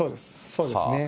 そうですね。